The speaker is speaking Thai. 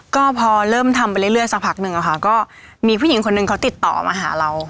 ก็พอเริ่มทำไปเรื่อยสักพักหนึ่งอะค่ะก็มีผู้หญิงคนหนึ่งเขาติดต่อมาหาเรา